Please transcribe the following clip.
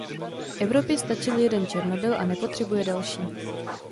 Evropě stačil jeden Černobyl a nepotřebuje další.